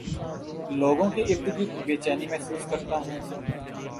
لوگوں کے ارد گرد بے چینی محسوس کرتا ہوں